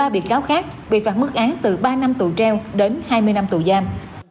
một mươi ba biệt cáo khác bị phạt mức án từ ba năm tù treo đến hai mươi năm tù giam